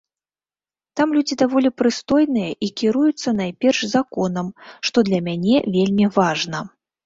Там людзі даволі прыстойныя і кіруюцца найперш законам, што для мяне вельмі важна.